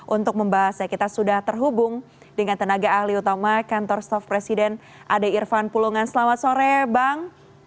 untuk membahasnya kita sudah terhubung dengan tenaga ahli utama kantor staff presiden ade irfan pulungan selamat sore bang